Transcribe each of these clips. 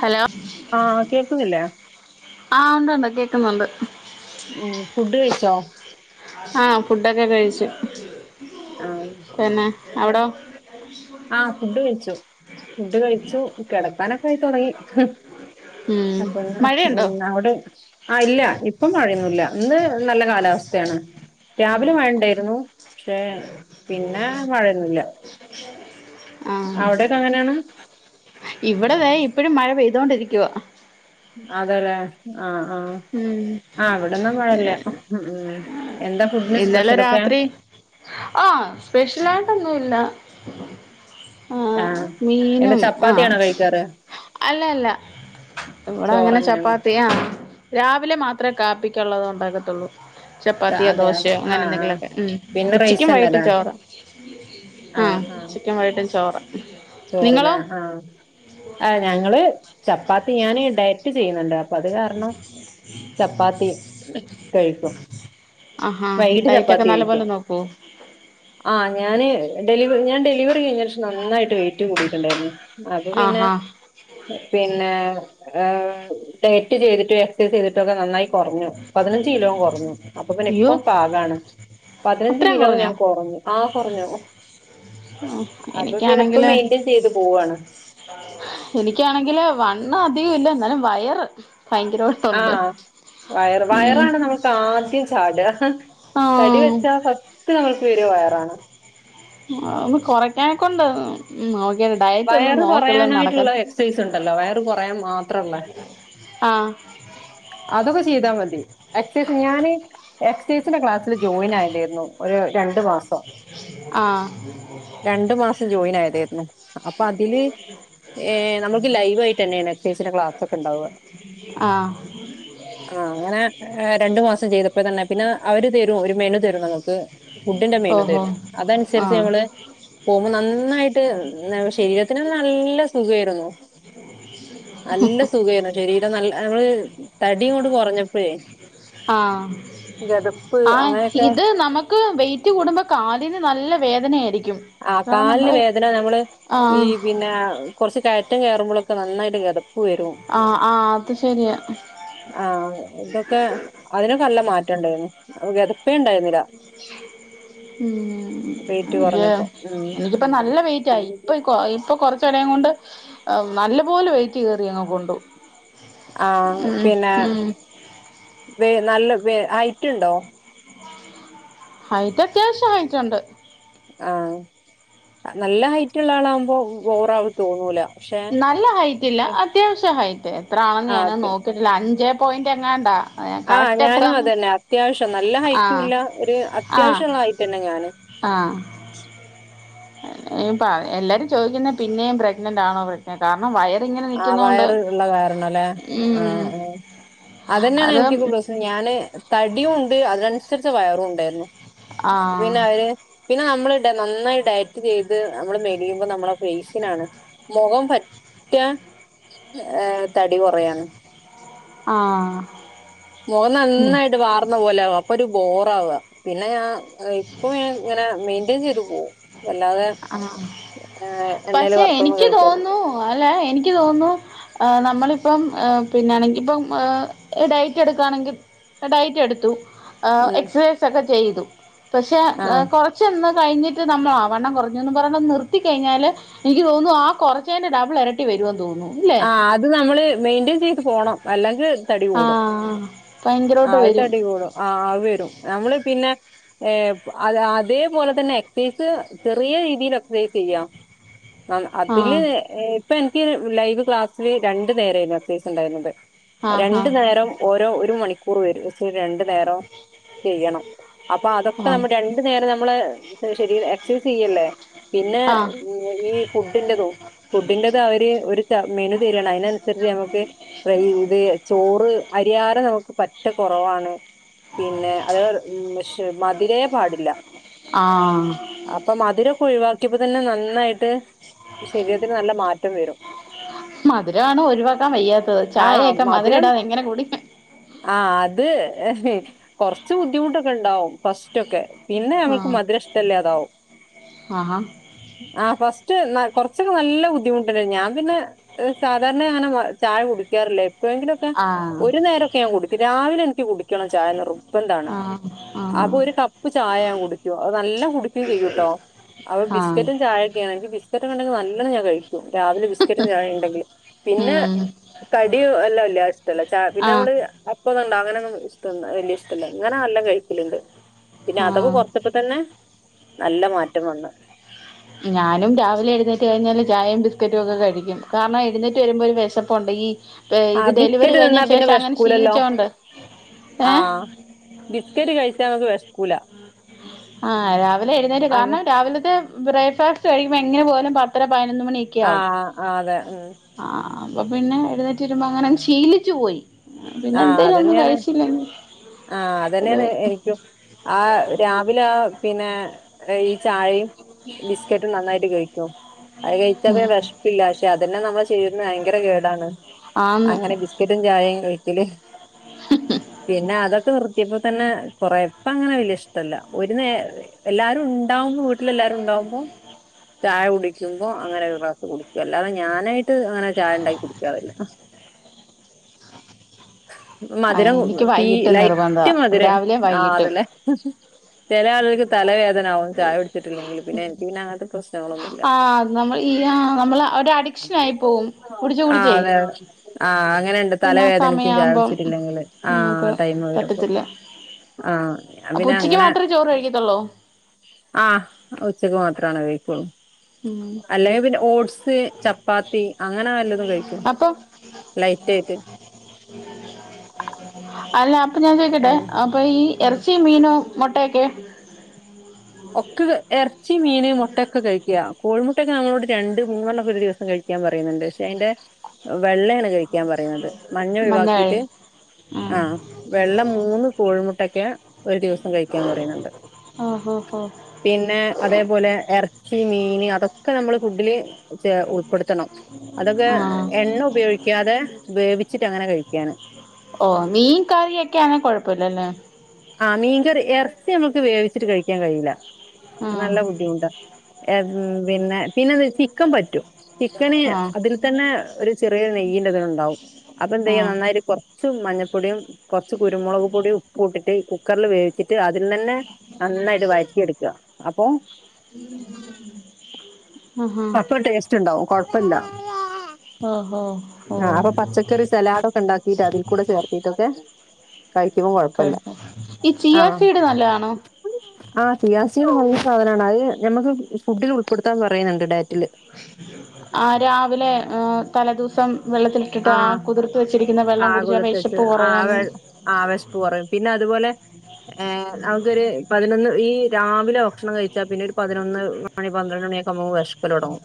Hello ആ കേൾക്കുന്നില്ല ആ ഉണ്ട്ണ്ട് കേക്കുന്നുണ്ട് ഉം ഫുഡ് കഴിച്ചോ ആ ഫുഡൊക്കെ കഴിച്ചു ആ പിന്നെ അവിടോ ആ ഫുഡ് കഴിച്ചു ഫുഡ് കഴിച്ചു കിടക്കാനൊക്കെ തുടങ്ങി ഉം അപ്പൊന്ന് മഴയുണ്ടോ ഉം അവിടെ ആ ഇല്ല ഇപ്പം മഴയൊന്നും ഇല്ല ഇന്ന് നല്ല കാലാവസ്ഥയാണ് രാവിലെ മഴ ഇണ്ടായിരുന്നു പിന്നെ മഴയൊന്നുമില്ല [unintelligible] ആഹ ഇവിടെ ദേ ഇപ്പഴും മഴ പെയ പെയ്തോണ്ടിരിക്കുവാ അതല്ലേ ആഹ ആഹ ഉം ആ ഇവിടെന്നും മഴല്ല ഉമ് ഇന്നലെ രാത്രി ആഹ സ്പെഷ്യൽ ആയിട്ടൊ ഒന്നുല്ല ആഹ ആഹ് എന്താ മീനും ആഹ ചപ്പാത്തിയാണോ കഴിക്കാറ് അല്ല അല്ല ഇവിടെ അങ്ങനെ ചോറന്നെയാണ് ചപ്പാത്തി ആ രാവിലെ മാത്രമേ കാപ്പിക്കുള്ളത് ഉണ്ടാാക്കത്തുള്ളൂ ചപ്പാത്തിയാ അതെ ദോശ അതെ - [unintelligible] അങ്ങനെ ആഹ് ആഹ് എന്തെങ്കിലുമൊക്കെ ഉമ് പിന്നെ റൈസ് ഉച്ചക്കും വൈകിട്ടും തന്നെല്ലേ ചോർ ആ ഉച്ചക്കും വൈകിട്ടും ചോർ ചോർ അല്ല ആഹ ആ് ഞങ്ങള് ചപ്പാത്തി ഞാന് ഡയറ്റ് ചെയ്യുന്നുണ്ട് അത് കാരണം ചപ്പാത്തി കഴിക്കും ആഹാ വൈകിട്ട് ഡയറ്റ് ഒക്കെ ചപ്പാത്തി കഴിക്കും നല്ലപോലെ നോക്കോ ഡെലിവറി ഞൻ ഡെലിവറി കഴിഞ്ഞ ശേഷം നായിട്ട് വെയ്റ്റ് റ്റ് കൂടീട്ടുണ്ടായിരുന്നു അപ്പൊ പിന്നെ ആഹാ പിന്നെ ആഹ് ഡയറ്റ് ചെയ്തിട്ട് എക്സസൈസ് ചെയ്തിട്ട് റ്റൊ ക്കെ നന്നായി കുറഞ്ഞു പതിനഞ്ച് കിലോ കൊറഞ്ഞു അപ്പൊ പിന്ന അയ്യോ ഇപ്പം പാകാണ് പതിനഞ്ച് അത്രയും കിലോ കുറഞ്ഞോ ഞാൻ കൊറഞ്ഞു ആ കൊറഞ്ഞു അപ്പ പിന്നെ ഇപ്പൊ എനിക്കാണെങ്കില് മെയിന്റെയിൻ ചെയ്ത് പോവാണ് എനിക്കാണെങ്കില് വണ്ണം അധികം ഇല്ല ന്ന് വയറ് ഭയങ്കരമായിട്ടുണ്ട് ആഹ് വയർ ഉം വയറാണ് നമ്മൾക്ക് ആദ്യം ചാട ഹ് ഹ് തടി ആഹ് വെച്ചാ ഫസ്റ്റ് [unintelligible] ങ്ങൾക്ക് വര വയറാണ് ഒ കൊറയ്ക്കാനൊക്കുണ്ട് [unintelligible] വയറ് കുറയാനായിട്ടുള്ള എക്സസൈസ് ഉണ്ടല്ലോ വയറ് കുറയാൻ മാത്രല്ല ആഹ് അതൊക്കെ ചെയ്താ മതി എക്സസൈസ് ഞാന് [unintelligible] ചേച്ചിന്റെ ക്ലാസ്സിൽ ജോയിൻ ആയി ലേർന്നോ ഒരു രണ്ടു മാസം ആഹ് രണ്ടു മാസം ജോയിൻ ആയടെ [unintelligible] അപ്പൊ അതില് ഏ നമ്മുക്ക് ലൈവാ യിട്ട് തന്നേണ് എക്‌സൈയ്‌സ് ക്ലാസ് ഒക്കെ ഉണ്ടാവ ആഹ് ആ അങ്ങനെ രണ്ടു മാസംചെയ്തപ്പോ തന്നെ പിന്നെ അവര് തരും ഒരു മെനു തരും നമുക്ക് ഫുഡ്ഡിന്റെ മെയിനു ഓഹോ തരും അതനുസരിച്ച് ആഹ് നമ്മള് പോവു നന്നായിട്ട് ന്ന ശരീരത്തിനും നല്ല സുഖേയിരുന്നു നല്ല സുഖേമാണ് ശരീരം നല്ല നമ്മള് തടിയുങ് കൊറഞ്ഞപ്പഴേ ആഹ് ആ അങ്ങനെയൊക്കെ ഇത് നമുക്ക് മ്മക്ക് വൈറ്റ് കൂടുമ്പോ കാലിന് നല്ല വേദനയായിരിക്കും ആ കാരണം കാലിന് നമ്മള് വേദന നമ്മള് ഈ ആഹ് പിന്നെ കൊറ് ച് കഴ ഒറ്റം കേറുമ്പോഴൊക്ക നന്നായിട്ട് കേറും ആഹ ആഹ അത് ശരിയ ആഹ ഇതൊക്കെ അതിനൊക്കല്ല മാറ്റം ഉണ്ടായിന്നു അപ്ഗതപ്പ് ഉം വെയിറ്റ് എനിക്ക് കുറഞ്ഞപ്പോ ഉം എനിക്കിപ്പ എന്താ നല്ല വെയിറ്റായി പിന്നെ ഇപ്പൊ ഇപ്പൊ കൊറച്ച് എടേ കൊണ്ട് നല്ല പോലെ വെയിറ്റ് കേറി അങ്ങ് കൊണ്ടു ആ ഉം പിന്നെ ഉം വി നല്ല വെ ഐറ്റുണ്ടോ ഐറ്റ അത്യാവശ്യം ഐറ്റുണ്ട് ആഹ് നല്ല ഹൈറ്റ് ഉള്ള ആളാവുമ്പോ ബോറായി തോന്നൂല പക്ഷെ നല്ല ഹൈറ്റ് ഇല്ല അത്യാവശ്യ ഹൈറ്റ് എത്ര ആണെന്ന് ഞാൻ ആ നോക്കിട്ടില്ല അഞ്ച് പോയിന്റ് എങ്ങാണ്ടാ ആഹ് കറക്റ്റ് ഞാനും എത്രാന്ന് അതന്നെ അത്യാവശ്യം നല്ല ആഹ് ഹൈറ്റുല്ല ഒരു ആഹ് അത്യാവശ്യള്ള ഹൈറ്റന്നെ ഞാനും ആഹ് [inaudible] എല്ലാരും ചോദിക്കുന്ന പിന്നെയും പ്രഗ്നന്റ് ആണോ പ്രെഗ്നന്റാണോ കാരണം വയർ ആ വയറ് ഉള്ള കരണല്ലേ ആ ഉം ആ അതന്നെയാണ് അത് എനിക്കിപ്പം പ്രശനം ഞാന് തടിയും ഉണ്ട് അതിനനുസരിച്ച് വയറും ഉണ്ടായിരുന്നു അത് ആഹ് പിന്നെ അവര് പിന്നെ നമ്മ നന്നായി ഡയറ്റ് ചെയ്ത് നമ്മള് മെടിയുമ്പോ നമ്മളുടെ ഫേസിനാണ് മുഖം മറ്റ ഏഹ തടി കുറയാണ് ആ മുഖം നന്നായിട്ട് വാർന്ന പോലകും പ്പൊ ഒരു ബോറ ആവ പിന്നെ ഞാൻ ഇപ്പൊ ഇങ്ങനെ മെയി- ചെയ്തു പോകു ആ എണ്ണയിൽ പക്ഷെ വറുത്തൊന്നും എനിക്ക് കഴിക്കാതെ തോന്നുന്നു അല്ലേ എനിക്ക് തോന്നുന്നു നമ്മളിപ്പം പിന്നൊണെങ്കിൽ ഇപ്പം ഡയറ്റ് എടുക്കുകയാണെങ്കിൽ ഡയറ്റ് എടുത്തു- ഉം എക്സൈ് സക്ക ചെയ്തു പക്ഷെ ആഹ് കുറച്ച എന്താ കഴിഞ്ഞിട്ട് നമ്മള ആ വണ്ണം കുറച്ച് ന്ന് പറഞ്ഞു അത് നിർത്തി കഴിഞ്ഞാല് എനിക്ക് തോന്നുന്നു ആ കുറച്ചേൻന്റെ ഡബിൾ ഇരട്ടി വരുംന്ന് ആ അത് നമ്മള് മെയിന്റ്റെയിൻ ചെയ്ത് പോണം അല്ലെങ്കിൽ തടി കൂടും ആഹ ആ അത് തടിികൂടും ആ് അ വരും നമ്മള് പിന്നെ ഏ അ അതേപോലെ തന്നെ എക്സൈസ് ചെറിയ രീതിയിലൊെ ീത് ചെയ്യ ന അതില ആഹ് ഇപ്പൊ എനിക്ക് ലൈവ് ക്ലാസ്സിില് രണ്ടു നേരമായിരുന്നു അ സീസ് ഉണ്ടായിരുന്നത് ആഹ് രണ്ടു നേരം ഓരോ മണിക്കർ പ വരും പക്ഷ രണ്ട് നേ നേരോ ചെയ്യണം അപ്പൊ ആഹ് അതൊക്കെ ആഹ് നമ്മള് രണ്ടു നേരം നമ്മള് ഉ ശ എക്സസൈസ് ചെയ്യല്ലേ പിന്നെ ആഹ് ഈ ഫുഡിറതും ഫുഡിറത അവര് ഒരു മെനു തരണം അതിനനുസരിച്ച് നമുക്ക് ഇത് ചോറ് അരിയാറ് നമുക്ക് പറ്റ റവാണ് പിന്നെ അ മധര പാടില്ല ആഹ് മരെ ഒ അ തന്നെ നന്നായിട്ട് ശരീരത്തിന് നല്ല മാറ്റം വരും മധുരമാണ് ഒഴിവാക്കാൻ വയ്യാത്തത് ചായയൊക്കെ മധുരം ഇടാതെ എങ്ങനെ കൂട ആ അത് കുറച്ച് ബുദ്ധിമുട്ടൊക്കെ ഉണ്ടാവും ഫസ്റ്റ്ൊക്കെ പിന്നെ ഞങ്ങൾക്ക് ആഹ് മധുര ഇഷ്ടല്ലേ അതാവും ആഹാ ആ ഫസ് മ കുറച്ചൊക്കെ നല്ല ബുദ്ധിമുട്ടുണ്ട് ഞാൻ പിന്നെ സാധാരണ അങ്ങനെ ചായ കുടിക്കാറില്ലേ ങ്കിലൊക്കെ ആഹ് ഒരു നേരംൊക്കെ ഞാൻടു രാവിലെ എനിക്ക്ൂ കുണം ചായറപ്പ എന്താണ് ആഹ് അപ്പൊ ആഹ് ഒരു കപ്പ് ചായ ൻ കുടിക്ക അത് നല്ല കുടിക്കയും ചെയ്യൂട്ടോ അപ്പൊ ആഹ് ബിസ്ക്കറ്റും ചായൊക്കെ ആണെങ്കിൽ ചക്കെണ്ടെങ്ക നല്ല ഞാ കഴി രാവിലെ ബിസ്ക്കറ്റും ചായ ഉണ്ടെങ്കില് പിന്നെ ഉം കടിയും എല്ലാം ഇല്ല ഇഷ്ടല്ല ച പിന്നെ ആഹ് നമ്മള് ഇപ്പണ്ട അങ്ങനെന്നും ഇഷ്ട വലിയ ഇഷ്ടല്ല ഇങ്ങനെ എല്ലാം കഴിക്കലുണ്ട് പിന്നെ അതൊക്ക ആഹ് കൊറച്ചപ്പ തന്നെ നല്ല മാറ്റം വന്ന് ഞാനും രാവിലെ എഴുന്നേറ്റ് കഴിഞ്ഞാല് ചായയും ബിസ്ക്കറ്റും ഒക്കെ കഴിക്കും കാരണം എഴുന്നേറ്റ് വരുമ്പോ ഒരു വിശപ്പുണ്ട് ഈ ആ ഇത് ഡെലിവറി ബിസ്കറ്റ് കഴിഞ്ഞ നിന്നാ പിന്നെ ശേഷം അങ്ങനെ വിഷ്കൂലല്ലോ ശീലിച്ചോണ്ട് ആ ഏഹ് ബിസ്കറ്റ് കഴിച്ചാ നമക്ക് വിഷകൂലാ ആ രാവിലെ എഴുന്നേ അങ്ങ കാരണം രാവിലത്തെ ബ്രേക്ക്ഫാസ്റ്റ്ഴ എങ്ങന പോലും പത്രം പതിനൊ മണിയക്കെും ആഹ് ആഹ് അതെ ഉം അപ്പൊ പിന്നെ എഴുന്നേറ്റ് വരുമ്പോ അങ്ങനങ്ങ് ശീലിച്ചു പോയി പിന്നെ ആഹ് എന്തേലും ഒന്നും അതന്നെയാണ് കഴിച്ചില്ലെങ്കി ആഹ് ഒരു അതന്നെയാണ് എനിക്കും ആ രാ [unintelligible] ല പിന്നെ ഈ ചായയും ബിസ്ക്കറ്റും നന്നായിട്ട് കഴിക്കോ അത് കഴിച്ചാ പിന്നെ വിശ്പ്പില്ല പക്ഷെ അതന്നെ നമ്മൾ ചെയ്യുന്ന ഭയങ്കര കേ അതാണ് ആന്നു അങ്ങനെ ബിസ്ക്കറ്റും ചായയും കഴി പിന്നെ പിന്ന അതൊക്കെ വെർ [unintelligible] തന്നെ കൊറേ പ്പ അങ്ങനെ വലിയ ഇഷ്ടമല്ല ഒരു നേര എല്ലാവാരും ഉണ്ടാവുമ്പോ വീട്ടിലെല്ലാരും ഉണ്ടാവുമ്പോ ചായ കുടിക്കുന്നു അങ്ങനെ ഒരു ഗ്ലാസ് കുടിക്കും അല്ലാതെ ഞാനായിട്ട് ഇട്ട് അങ്ങനെ ചായ ഇണ്ടാക്കി കുടിക്കാറില്ല ആഹ് മധുരം എനിക്ക് തീ വൈകിട്ട് നിർബന്ധ ലൈറ്റ് മധുരം രാവിലെ ആ വൈകിട്ടും അതല്ലേ ചില ആളുകൾക്ക് തലവേ തലവേദന ആവും ചായ കുടിച്ചിട്ടില്ലെങ്കിൽ പിന്നെ എനിക്ക് പിന്ന അങ്ങനത്തെ പ്രശ്നങ്ങളൊന്നൂല്ല. ആഹ് നമ്മൾ ഈ ആഹ് നമ്മള് ഒരു അഡിക്ഷൻ ആയി പോവും കുടിച്ച് ആ കുടിച്ചേ അതെയതെ ആ അങ്ങനെയുണ്ട് പിന്നെ ആ തലവേ സമയാവുമ്പം ചായകുടിച്ചിട്ടില്ലെങ്കിൽ ആ നമുക്ക് ടൈമ് വരുമ്പോ പറ്റത്തില്ല ആ ഞാൻ അപ്പൊ പിന്നെ ഉച്ചക്ക് അങ്ങനെ മാത്രേ ചോറ് കഴിക്കത്തുള്ളൂ ആഹ് ഉച്ചക്ക് മാത്രണ് കഴി ഉം [unintelligible] അല്ലെങ്കിൽ പിന്നെ ഓട്സ് ചപ്പാത്തി അങ്ങനെ വല്ലതും കഴിക്കും അപ്പൊ ലൈറ്റ് ആയിട്ട് അല്ല അപ്പൊ ഞാൻ ചോയിക്കട്ടെ അങ്ങനെ അപ്പൊ ഈ ആഹ് ഇറച്ചീ മീനോ മൊട്ടയൊക്കെ ഒക്കെ ഇറച്ചി മീന് മുട്ടൊക്കെ കഴിക്ക കോഴിമുട്ടൊക്കെ നമ്മളോട് രണ്ട് മൂന്നെണ്ണൊക്ക ഒരു ദിവസം കഴിക്കാൻ പറയുന്നുണ്ട്. പക്ഷെ അയിന്റെ വെള്ളയാണ് കഴി ക്കാൻ പറയുന്നത് മഞ്ഞ ഒഴിവാക്കിട്ട് ആ വെള്ള മൂന്ന് കോഴിമു [unintelligible] ഒരു ദിവസം കഴിക്കാൻ പറയുന്നുണ്ട് ആഹ് ഓഹോ ഹോ പിന്നെ അതേപോലെ ഇറച്ചി മീൻ അതൊക്കെ നമ്മള് ഫുഡില് ചെ ഉ പ്പെടുത്തണം അതൊക്കെ ആഹ് എണ്ണ ഉപയോഗിക്കാതെ വേവിച്ചിട്ട് അങ്ങനെ കഴിക്കും ക്കെയാണ് ഓ മീൻ കറിയൊക്കെ ആണെ കൊഴപ്പല്ലല്ലേ ആ മീൻകറി ഇറച്ചി നമുക്ക് വേവിച്ചിട്ട് കഴിക്കാൻ കഴിയില്ല ആഹ് നല്ല ബുദ്ധി ണ്ടാ [unintelligible] പിന്നെ പിന്നെ ന്താ ചിക്കൻ പറ്റും ചിക്കന് ആഹ് അതിൽ തന്നെ ഒരു ചെറിയ നെയ്യീന്റെ തിലുണ്ടാവും അപ്പൊ എന്തെയ്യ ആഹ് നന്നായിട്ട് കൊ ച്ചും മഞ്ഞപ്പൊടിയും കുറച്ച് കുരുമുളക് പൊടിയും ഉപ്പും ഇട്ട് കുക്കറിൽ വേവിച് ട്ട് അതിൽ തന്നെ നന്നായിട്ട് വഴറ്റിയെടുക്കുക അപ്പോ ആഹാ അപ്പ ടേസ്റ്റ് ഉണ്ടാവും കൊഴപ്പല്ല ഓഹോ ഓ ആ അപ്പൊ പച്ചക്കറി സലാടൊക്കെ ണ്ടാക്കിട്ട് അതിൽ കൂടെ ചേർത്തിട്ടൊക്കെ കഴിക്കുമ്പോം ഓക്കെ കൊഴപ്പല്ല ഈ ആ ചിയാസീഡ് നല്ലആണോ ആ ചിയാസീഡ് നല്ല സാധനാണ് അഹ് ഞമുക്ക് ഫുഡിൽ ഉൾപ്പെടുത്താൻ പറയുന്നുണ്ട് ഡയറ്റ് ആ രാവിലെ തലേദിവസം സം ആ ആ കുടിച്ചാ കുതിർത്തു വച്ച് വെശപ്പ് ആ കൊറയാന്ന് ആ വിശപ്പ് കുറയും പിന്നെ അതുപോലെ എ അതൊരു പതിനൊന്ന് ഈ രാവിലെ ഭക്ഷണം കഴിച്ചാ പിന്നെ ഒരു പതിനൊന്ന് മണി പന്ത്രണ്ട് മണിയൊക്കെയാകുമ്പോ നമുക്ക് വെഷ് ശ്ക്കലൊടങ്ങും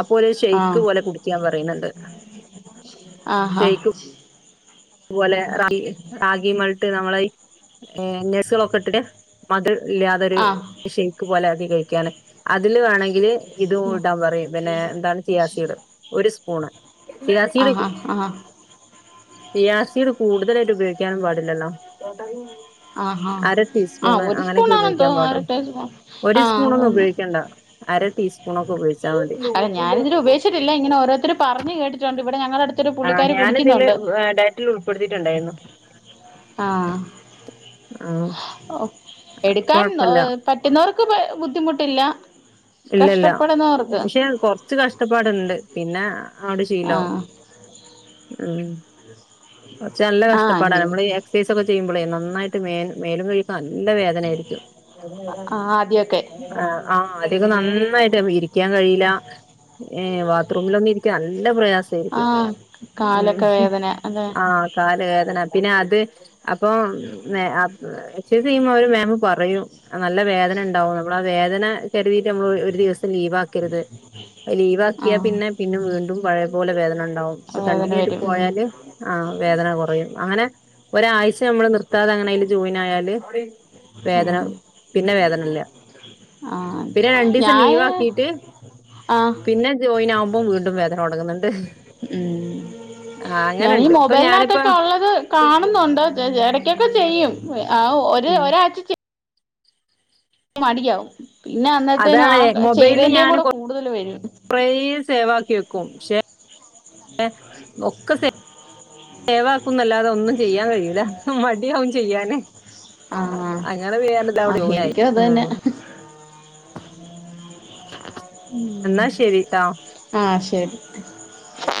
അപ്പോല് ഒരു ഷെയ്ക്ക് ആഹ് പോലെ കുടിക്കാൻ പറയുന്നുണ്ട്. ആ ഹാ അതുപോലെ റ റാഗി മൾ ട്ട് നമ്മളെയ് നഴ്സുകളൊക്കെ ഇട്ടിട്ട് മധുരം ഇല്ലാതൊരു ആഹ് ഷെയ്ക്ക് പോലെ ആക്കി കഴിക്ക് ക്യാനാ അതില് വേണമെങ്കില് ഇതും ഇടാൻ പറയും പിന്നെ എന്താണ് ചിയാസീട് ഒരു സ് പോണ് ആ ആ ആ ചിയാസിഡ് കൂടുതലായിട്ട് ഉപയോഗിക്കാനും പാടില്ലല്ലോ ആഹാ അര ആഹ് ടീസ്പൂണ് ഒരു അങ്ങനെയൊക്കെ സ്പൂണാണെന്ന് ഉപയോഗിക്കാൻ തോന്നുന്നു അര പാടുള്ളൂ ടീസ്പൂൺ ഒരു ആഹ് സ്പൂൺ ഒന്നും അതന്നെ ഉപയോഗിക്കണ്ട അര ടീസ്പൂൺ ഒക്കെ ഉപയോഗിച് അല്ല ഞാനിതിനെ ഉപേക്ഷിച്ചിട്ടില്ല ഇങ്ങനെ ഓരോരുത്തറ് പറഞ്ഞ് കേട്ടിട്ടുണ്ട് ഇവിടെ ഞങ്ങളുടെ അടുത്ത് ആ ഞാനിതില് ഡയറ്റിൽ ഉൾപ്പെടുത്തിയിട്ടുണ്ടായിരുന്നു. ആ ആ എടുക്കാൻ കൊഴപ്പില്ല പറ്റുന്നവർക്ക് ബുദ്ധിമുട്ടില്ല ഇല്ലല്ല കഷ്ടപ്പെടുന്നവർക്ക് പക്ഷെ കൊറച്ച് കഷ്ടപ്പാടുണ്ട് പിന്നെ അവിടെ ശീലമാകും ആഹ് ഉം. കുറച്ച് നല്ല കഷ്ടപ്പാടാ ആഹ് നമ്മള് എക്സൈസ്ഒക്കെ ചെയ്യുമ്പോഴേ നനായിട്ട് മേ മേലും കഴിക്കാ നല്ല വേദന ആായിരിക്കും ആഹ് ആദ്യൊക്കെ ആ നന്നായിട്ട് ഇരിക്ക കഴിയില്ല ബാത്റൂമിലൊക്കെ ഇരിക്കാൻ നല്ല പ്ര സമായിരിക്കും ആഹ് കാലൊക്കെ വേദന അതെ ആ കാല് വേദ അ പിന്നെ അത് അപ്പം എക്സൈസ് ചെയ്യുമ്പോ അവര് മാം പറയും നല്ല വേദന ഉണ്ടാവും നമ്മൾ ആ വേദന കരുതീട്ട ഒരു ദിവസം ലീവാക്കരുത് ലീവ്ക്കിയാ ആഹ് പിന്നെ പിന്നെ വീണ്ടും പഴയ പോല വേദന ഉണ്ട് ണ്ടാവും വേദന പക്ഷേകണ്ടിന്യൂ ആയിട്ട് വരും ഉം പോയാല് ആ വേദന കുറയും അങ്ങനെ ഒരാഴ്ച നമ്മള് നിർത്താതെ അങ്ങനതില് ജോയിൻ ആയാല് വേദന ഉം പിന്നെ വേദന ഇല്ല ആഹ് പിന്നെ രണ്ടു ദിവസം ലീവ് ഞാന് ആക്കിട്ട് ആഹ് പിന്നെ ജോയിൻ ആവു ഇപ്പം വീണ്ടും വേദന തുടങ്ങുന്നിണ്ട്. ഉം ഞാനീ ഇപ്പൊ ഞാനിപ്പ മൊബൈലിനകത്തൊക്കെ ഒള്ളത് കാണുന്നുണ്ട് [unintelligible] എടയ്ക്കൊക്കെ ചെയ്യും, ആ ഒ ഉം ഒരാഴ്ച്ച ചെ മടിയാവും. പിന്നെ അന്നത്തേനും അതാണ് ആ മൊബൈലില് ചെയ്തേന്റെ ഞാൻ കൂടെ കൂടുതല് വരും. ക്കും പ്ഷേ ഒക്കെ സേവാക്കുന്നല്ലാതെ ഒന്നും ചെയ്യാൻ കഴിയൂല മടിയാവും ചെയ്യാന് ആ അങ്ങനെ വേറെ ആ ഇതവിടെ ജോയിൻ ആയി എനിക്കും അത് തന്നെ. ഉം എന്നാ ശെരി ട്ടോ. [unintelligible] ആഹ്